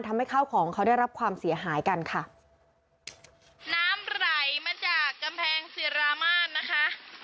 ทำให้ข้าวของเขาได้รับความเสียหายกันค่ะน้ำไหลมาจากกำแพงศิรามาศนะคะ